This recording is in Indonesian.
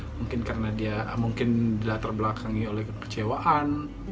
mungkin karena dia mungkin diterbelakangi oleh kekecewaan